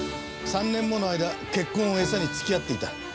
３年もの間結婚を餌に付き合っていた。